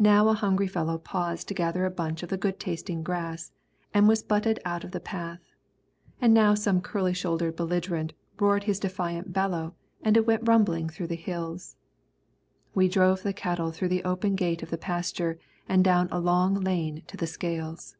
Now a hungry fellow paused to gather a bunch of the good tasting grass and was butted out of the path, and now some curly shouldered belligerent roared his defiant bellow and it went rumbling through the hills. We drove the cattle through the open gate of the pasture and down a long lane to the scales.